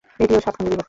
এটিও সাত খণ্ডে বিভক্ত।